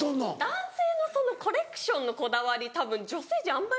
男性のそのコレクションのこだわりたぶん女性陣あんまり。